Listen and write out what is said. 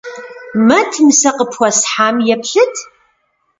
Мэт, мы сэ къыпхуэсхьам еплъыт.